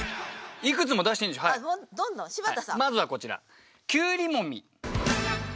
まずはこちら。